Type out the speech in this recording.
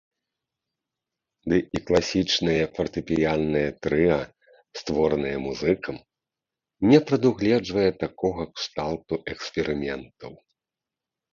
Ды і класічнае фартэпіяннае трыа, створанае музыкам, не прадугледжвае такога кшталту эксперыментаў.